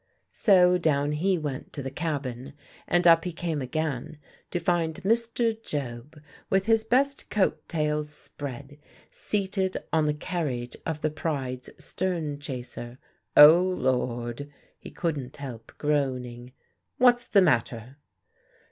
So down he went to the cabin, and up he came again to find Mr. Job with his best coat tails spread, seated on the carriage of the Pride's stern chaser. "Oh, Lord!" he couldn't help groaning. "What's the matter?"